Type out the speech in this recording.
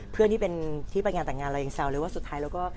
เพื่อนที่เป็นที่ไปงานแต่งงานเรายังแซวเลยว่าสุดท้ายเราก็